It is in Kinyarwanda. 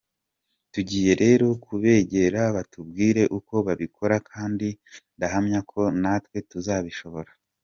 Tugiye rero kubegera batubwire uko babikora, kandi ndahamya ko natwe tuzabishobora.